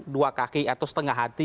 dua kaki atau setengah hati